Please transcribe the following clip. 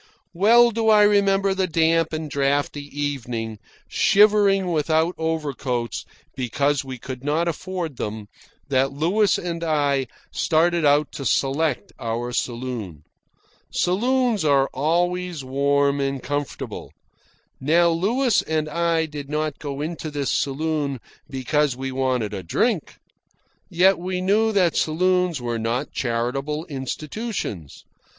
Well do I remember the damp and draughty evening, shivering without overcoats because we could not afford them, that Louis and I started out to select our saloon. Saloons are always warm and comfortable. Now Louis and I did not go into this saloon because we wanted a drink. Yet we knew that saloons were not charitable institutions.